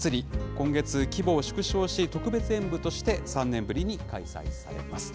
今月、規模を縮小し、特別演舞として、３年ぶりに開催されます。